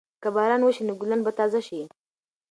که باران وشي نو ګلان به تازه شي.